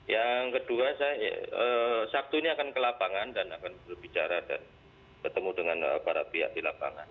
yang kedua saya sabtu ini akan ke lapangan dan akan berbicara dan ketemu dengan para pihak di lapangan